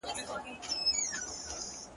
کلونه کيږي چي ولاړه يې روانه نه يې؛